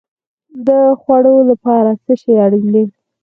د خوړو لپاره څه شی اړین دی؟